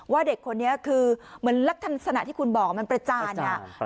เด็กคนนี้คือเหมือนลักษณะที่คุณบอกมันประจาน